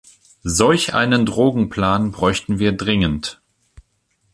Solch einen Drogenplan bräuchten wir dringend.